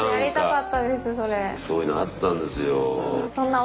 そういうのあったんですよ。